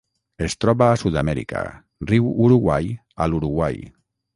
Es troba a Sud-amèrica: riu Uruguai a l'Uruguai.